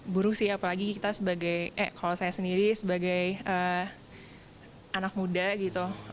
buruk sih apalagi kita sebagai eh kalau saya sendiri sebagai anak muda gitu